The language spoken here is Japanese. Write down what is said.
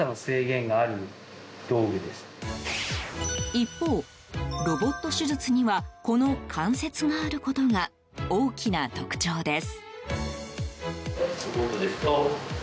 一方、ロボット手術にはこの関節があることが大きな特徴です。